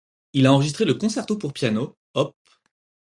Il a enregistré le Concerto pour piano, op.